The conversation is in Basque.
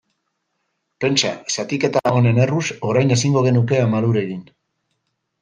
Pentsa, zatiketa honen erruz, orain ezingo genuke Ama Lur egin.